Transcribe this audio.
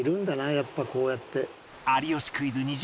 やっぱこうやって。